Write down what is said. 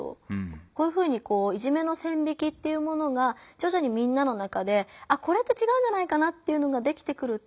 こういうふうにいじめの線引きっていうものがじょじょにみんなの中でこれって違うんじゃないかなっていうのができてくると。